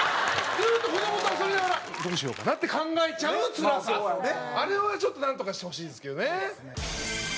ずっと子供と遊びながらどうしようかなって考えちゃうつらさあれはちょっとなんとかしてほしいですけどね。